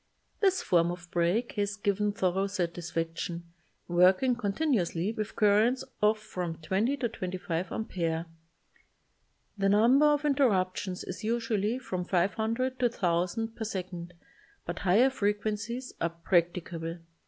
This form of break has given thoro satis faction, working continuously with currents of from 20 to 25 amperes. The number of interruptions is usually from 500 to 1,000 per second but higher frequencies are practicable.